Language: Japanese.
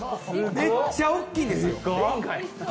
めっちゃおっきいんですよ！